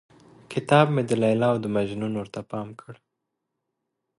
كتاب مې د ليلا او د مـجنون ورته تمام كړ.